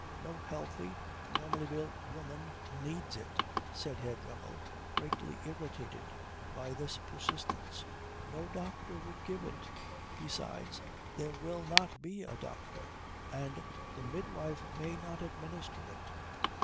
"No healthy, normally built woman needs it," said Herr Dremmel, greatly irritated by this persistence. "No doctor would give it. Besides, there will not be a doctor, and the midwife may not administer it.